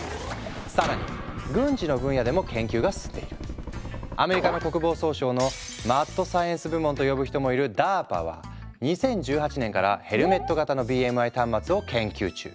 更にアメリカ国防総省のマッドサイエンス部門と呼ぶ人もいるＤＡＲＰＡは２０１８年からヘルメット型のＢＭＩ端末を研究中。